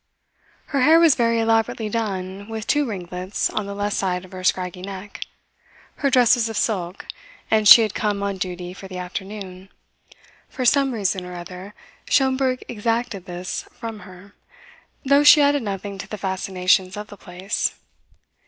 Her hair was very elaborately done with two ringlets on the left side of her scraggy neck; her dress was of silk, and she had come on duty for the afternoon. For some reason or other Schomberg exacted this from her, though she added nothing to the fascinations of the place.